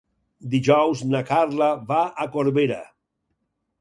Dijous na Carla va a Corbera.